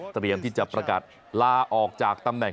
เตรียมที่จะประกาศลาออกจากตำแหน่ง